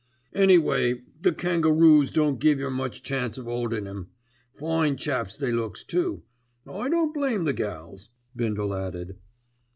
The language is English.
"Anyway the Kangaroos don't give yer much chance of 'oldin' 'em. Fine chaps they looks too. I don't blame the gals," Bindle added.